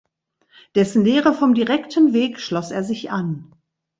Dessen Lehre vom „Direkten Weg“ schloss er sich an.